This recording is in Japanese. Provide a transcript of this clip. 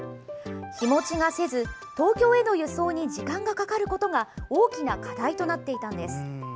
日持ちがせず、東京への輸送に時間がかかることが大きな課題となっていたのです。